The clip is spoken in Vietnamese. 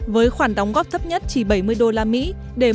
với khoản đóng góp thấp nhất chỉ bảy mươi usd